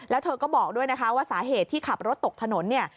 แล้วเธอก็บอกด้วยนะคะว่าสาเหตุที่ขับรถตกถนนเนี่ย